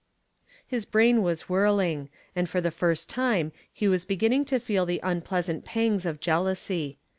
His brain was whirling, and for the first time he was beginning to feel the unpleasant pangs of jealousy.